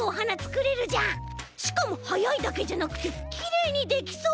しかもはやいだけじゃなくてきれいにできそう！